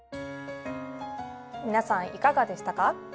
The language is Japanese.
皆さんいかがでしたか？